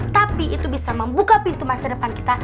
tapi itu bisa membuka pintu masa depan kita